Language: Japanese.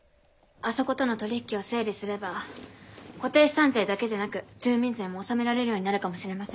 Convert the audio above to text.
あそことの取引を整理すれば固定資産税だけでなく住民税も納められるようになるかもしれません。